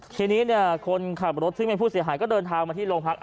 ทีนี้คนขับรถซึ่งเป็นผู้เสียหายก็เดินทางมาที่โรงพัก